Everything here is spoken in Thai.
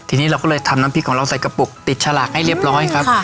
ทีนี้เราก็เลยทำน้ำพริกของเราใส่กระปุกติดฉลากให้เรียบร้อยครับ